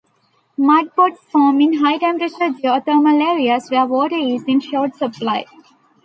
Mudpots form in high-temperature geothermal areas where water is in short supply.